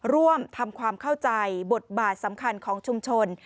ร่วมทำความเข้าใจบทบาทสำคัญของชุมชน